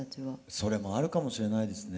それもあるかもしれないですね。